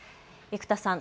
生田さん